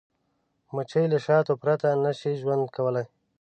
مچمچۍ له شاتو پرته نه شي ژوند کولی